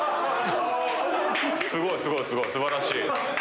すごいすごいすごい素晴らしい。